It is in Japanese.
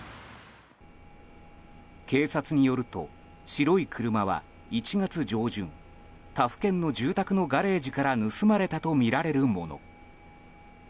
警察によると白い車は１月上旬他府県の住宅のガレージから盗まれたとみられるもの。